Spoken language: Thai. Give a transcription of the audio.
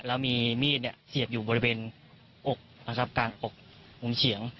แล้วมีมีดเนี่ยเสียบอยู่บริเวณอกนะครับกลางอกมุมเฉียง